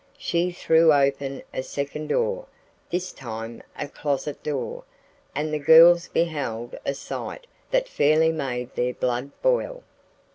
She threw open a second door, this time a closet door, and the girls beheld a sight that fairly made their blood boil.